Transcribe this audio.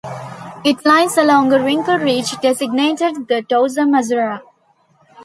It lies along a wrinkle ridge designated the Dorsum Azara.